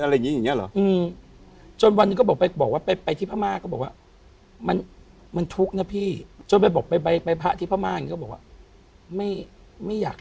แล้วก็บอกว่าผีหลอก